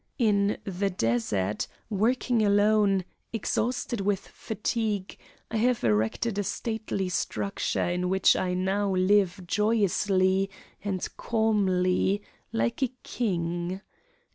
In the desert, working alone, exhausted with fatigue, I have erected a stately structure in which I now live joyously and calmly, like a king.